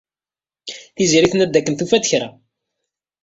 Tiziri tenna-d dakken tufa-d kra.